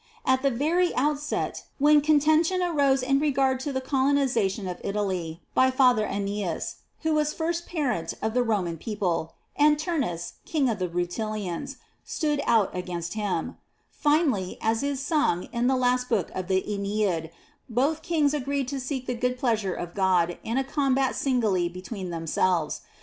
2. At the very outset, when contention arose in regard to the colonization of Italy by father Aeneas, who was first parent of the Roman peo ple, and Turnus, king of the Rutilians, stood out against him ; finally, as is sung in the last book of the Aeneid^ both kings agreed to seek the good pleasure of God In a combat singly between themselves.'